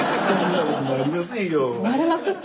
なれますって。